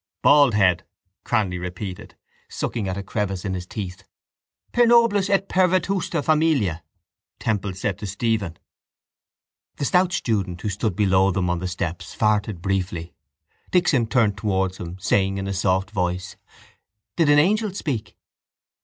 —Baldhead, Cranly repeated, sucking at a crevice in his teeth. —Pernobilis et pervetusta familia, Temple said to Stephen. The stout student who stood below them on the steps farted briefly. Dixon turned towards him, saying in a soft voice: —Did an angel speak?